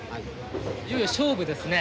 いよいよ勝負ですね。